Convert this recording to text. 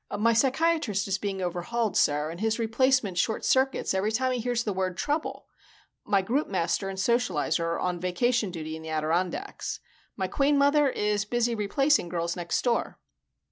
"My psychiatrist is being overhauled, sir, and his replacement short circuits every time he hears the word 'trouble.' My groupmaster and socializer are on vacation duty in the Adirondacks. My Queen Mother is busy replacing Girls Next Door."